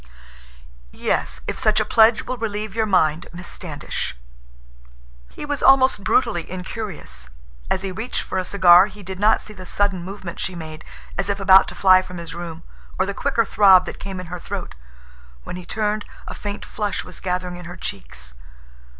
"Yes, if such a pledge will relieve your mind, Miss Standish." He was almost brutally incurious. As he reached for a cigar, he did not see the sudden movement she made, as if about to fly from his room, or the quicker throb that came in her throat. When he turned, a faint flush was gathering in her cheeks.